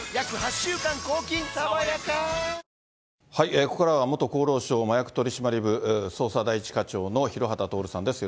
ここからは元厚労省麻薬取締部捜査第１課長の廣畑徹さんです。